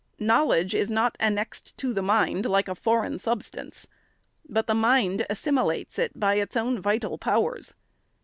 Knowledge is not annexed to the mind like a foreign substance, but the mind assimilates it by its own vital powers.